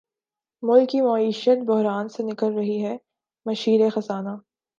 ملک کی معیشت بحران سے نکل رہی ہے مشیر خزانہ